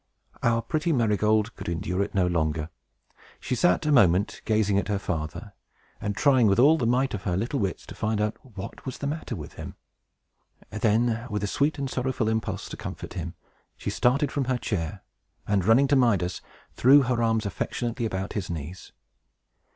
Our pretty Marygold could endure it no longer. She sat, a moment, gazing at her father, and trying, with all the might of her little wits, to find out what was the matter with him. Then, with a sweet and sorrowful impulse to comfort him, she started from her chair, and, running to Midas, threw her arms affectionately about his knees.